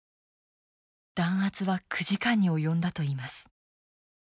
弾圧は９時間に及んだといいます。